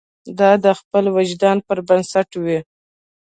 دا د خپل وجدان پر بنسټ وي.